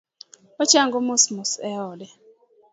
Ochango mos mos e ode